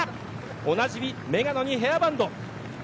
おなじみメガネにヘアバンド。